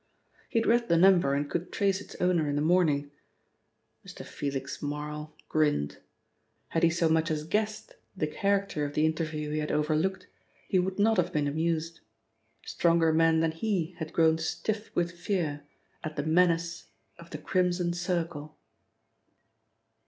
He had read the number and could trace its owner in the morning. Mr. Felix Marl grinned. Had he so much as guessed the character of the interview he had overlooked, he would not have been amused. Stronger men than he had grown stiff with fear at the menace of the Crimson Circle.